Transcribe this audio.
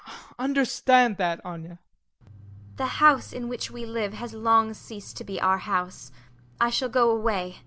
Understand that, Anya. ANYA. The house in which we live has long ceased to be our house; I shall go away.